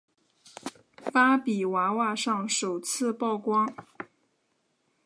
芭比娃娃上首次曝光。